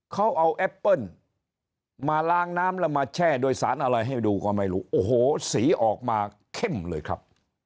เขาเอาแอปเปิ้ลมาล้างน้ำแล้วมาแช่โดยสารอะไรให้ดูก็ไม่รู้โอ้โหสีออกมาเข้มเลยครับ